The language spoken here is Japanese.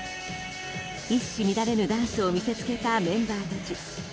一糸乱れぬダンスを見せつけたメンバーたち。